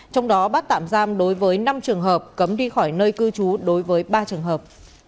trong đó bắt tạm giam đối với năm trường hợp cấm đi khỏi nơi cư trú đối với ba trường hợp